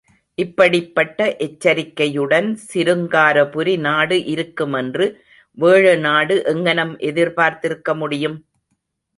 இப்படிப்பட்ட எச்சரிக்கையுடன் சிருங்காரபுரி நாடு இருக்குமென்று வேழநாடு எங்ஙனம் எதிர்பார்த்திருக்க முடியும்?